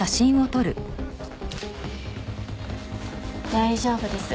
大丈夫です。